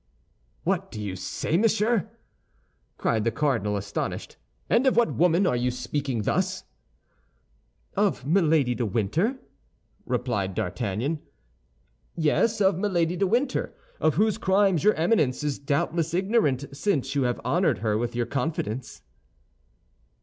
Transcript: "What do you say, monsieur?" cried the cardinal, astonished; "and of what woman are you speaking thus?" "Of Milady de Winter," replied D'Artagnan, "yes, of Milady de Winter, of whose crimes your Eminence is doubtless ignorant, since you have honored her with your confidence."